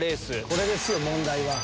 これですよ問題は。